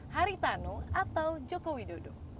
haritanu atau joko widodo